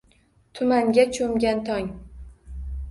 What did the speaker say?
Tumanga cho`mgan tong